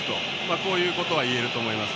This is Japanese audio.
こういうことはいえると思います。